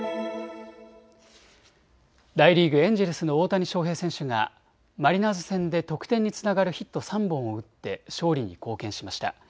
大リーグ、エンジェルスの大谷翔平選手がマリナーズ戦で得点につながるヒット３本を打って勝利に貢献しました。